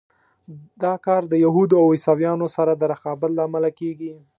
دا کار د یهودو او عیسویانو سره د رقابت له امله کېږي.